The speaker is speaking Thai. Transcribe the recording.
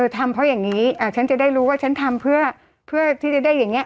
ทำเพราะอย่างนี้ฉันจะได้รู้ว่าฉันทำเพื่อที่จะได้อย่างนี้